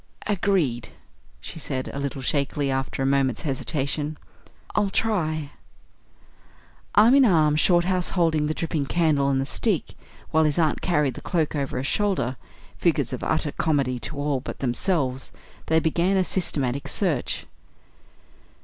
"Agreed," she said, a little shakily, after a moment's hesitation. "I'll try " Arm in arm, Shorthouse holding the dripping candle and the stick, while his aunt carried the cloak over her shoulders, figures of utter comedy to all but themselves, they began a systematic search.